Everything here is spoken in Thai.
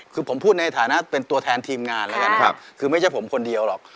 คือผมพูดในฐานะเป็นตัวแทนทีมงานแล้วกันนะครับคือไม่ใช่ผมคนเดียวหรอก